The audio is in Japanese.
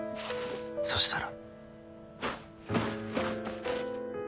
そしたら。